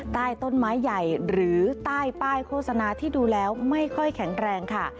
ใต้ต้นไม้ใหญ่หรือใต้ป้ายโฆษณาที่ดูแล้วไม่ค่อยแข็งแรงค่ะ